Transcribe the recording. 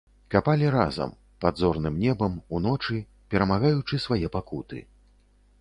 Капалі разам, пад зорным небам, уночы, перамагаючы свае пакуты.